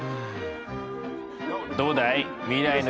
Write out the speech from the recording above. どうだい？